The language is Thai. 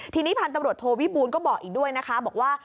ทีนี้พันธุ์ตำรวจโทวิบูลก็บอกอีกด้วยนะคะบอกว่า